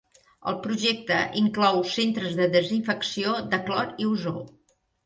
El projecte inclou centres de desinfecció de clor i ozó.